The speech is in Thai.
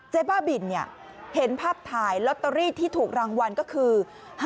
บ้าบินเห็นภาพถ่ายลอตเตอรี่ที่ถูกรางวัลก็คือ